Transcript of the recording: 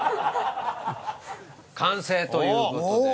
完成という事で。